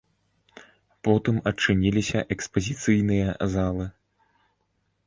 Потым адчыніліся экспазіцыйныя залы.